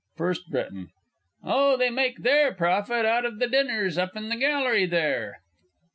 FIRST B. Oh, they make their profit out of the dinners up in the gallery there.